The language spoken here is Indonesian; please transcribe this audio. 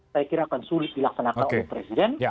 saya kira akan sulit dilaksanakan oleh presiden